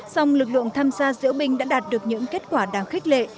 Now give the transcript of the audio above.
song lực lượng tham gia diễu bình đã đạt được những kết quả đáng khích lệ